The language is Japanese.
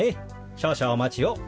少々お待ちを。